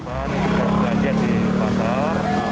ini berjalan jalan di pasar